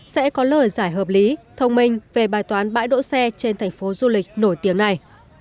sẽ có lời giải hợp lý thông minh về bài toán bãi đỗ xe trên thành phố du lịch nổi tiếng này